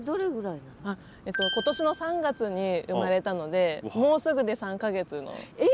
今年の３月に生まれたのでもうすぐで３か月の。え！